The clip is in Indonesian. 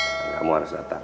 kamu harus datang